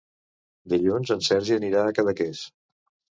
Dilluns en Sergi anirà a Cadaqués.